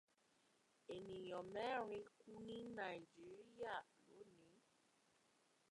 Èèyàn mẹ́rin kú ní Nàíjíríà lónìí.